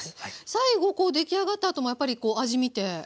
最後出来上がったあともやっぱり味みて塩足したり？